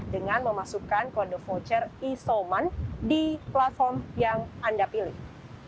dengan memasukkan kode voucher isoman di platform yang anda pilih